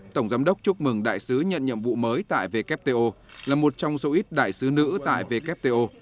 tổng giám đốc chúc mừng đại sứ nhận nhiệm vụ mới tại wto là một trong số ít đại sứ nữ tại wto